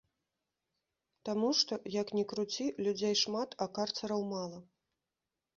Таму што, як ні круці, людзей шмат, а карцараў мала.